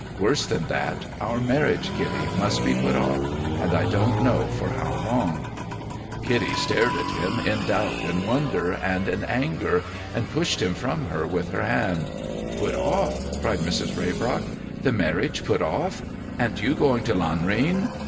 Worse than that — our marriage, Kitty, must be put off, and I don't know for how long.' 238 A MESSAGE FROM THE SEA Kilty stared at him, in doubt and wonder and in anger, and pushed him from her with her hand. Tut off?' cried Mrs. Raybrock. 'The marriage put off? And you going to Lanrcan